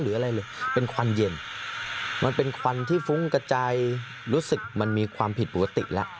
หรืออะไรเลยเป็นควันเย็นมันเป็นควันที่ฟุ้งกระจายรู้สึกมันมีความผิดปกติแล้ว